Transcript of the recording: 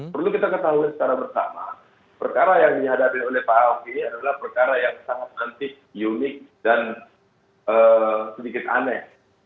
perlu kita ketahui secara bersama perkara yang dihadapi oleh pak ahok ini adalah perkara yang sangat antik unik dan sedikit aneh